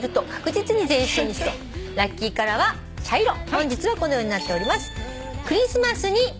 本日はこのようになっております。